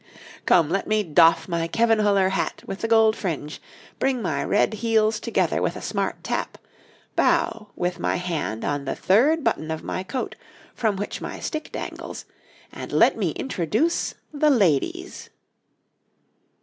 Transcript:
}] Come, let me doff my Kevenhuller hat with the gold fringe, bring my red heels together with a smart tap, bow, with my hand on the third button of my coat from which my stick dangles, and let me introduce the ladies.